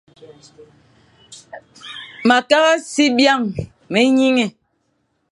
Me kagh a si byañ, me nyiñé,